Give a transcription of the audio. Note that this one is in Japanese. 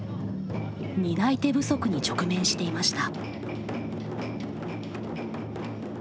担い手不足に直面していました。